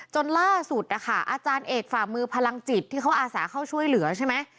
จนล่าสุดนะคะอาจารย์เอกฝ่ามือพลังจิตที่เขาอาสาเข้าช่วยเหลือใช่ไหม